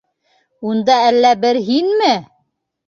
Унда әллә бер һинме?